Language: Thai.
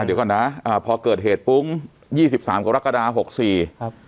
เดี๋ยวก่อนนะอ่าพอเกิดเหตุปุ้งยี่สิบสามกรกฎาหกสี่ครับ